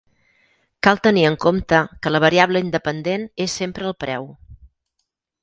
Cal tenir en compte que la variable independent és sempre el preu.